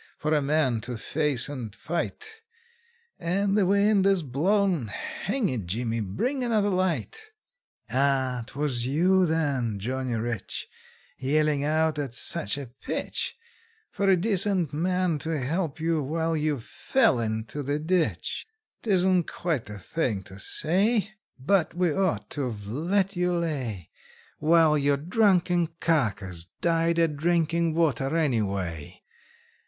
For a man to face and fight; And the wind is blowin' Hang it, Jimmy, bring another light! Ah! 'twas you, then, Johnny Rich, Yelling out at such a pitch, For a decent man to help you, while you fell into the ditch: 'Tisn't quite the thing to say, But we ought to've let you lay, While your drunken carcass died a drinkin' water any way.